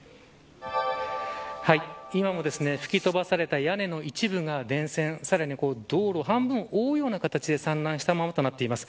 今も吹き飛ばされた屋根の一部が電線、さらに道路半分を覆うような形で散乱したままとなっています。